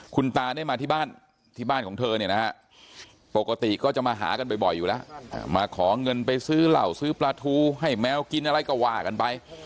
คุณตาได้มาที่บ้านที่บ้านของเธอเนี่ยนะฮะปกติก็จะมาหากันบ่อยอยู่แล้วมาขอเงินไปซื้อเหล่าซื้อปลาทูให้แมวกินอะไรก็ว่ากันไป